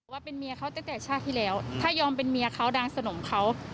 ว่าเป็นเมียเขาตั้งแต่ชาติที่แล้วถ้ายอมเป็นเมียเขาดังสนมเขา